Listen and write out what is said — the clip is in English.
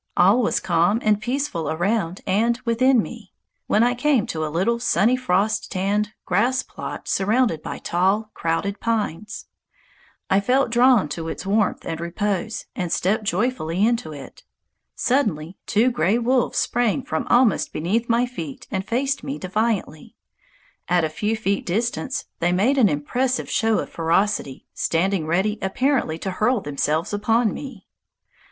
All was calm and peaceful around and within me, when I came to a little sunny frost tanned grass plot surrounded by tall, crowding pines. I felt drawn to its warmth and repose and stepped joyfully into it. Suddenly two gray wolves sprang from almost beneath my feet and faced me defiantly. At a few feet distance they made an impressive show of ferocity, standing ready apparently to hurl themselves upon me.